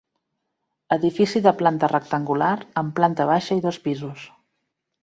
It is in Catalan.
Edifici de planta rectangular, amb planta baixa i dos pisos.